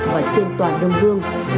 và trên toàn đông dương